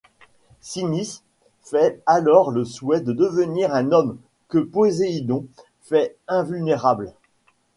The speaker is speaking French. Cénis fait alors le souhait de devenir un homme, que Poséidon fait invulnérable.